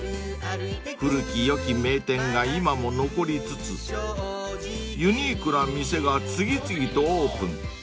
［古き良き名店が今も残りつつユニークな店が次々とオープン］